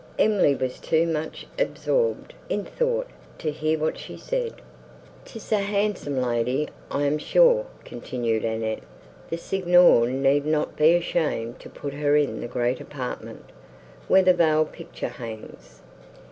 Emily was too much absorbed in thought, to hear what she said. "'Tis a handsome lady, I am sure," continued Annette: "the Signor need not be ashamed to put her in the great apartment, where the veiled picture hangs."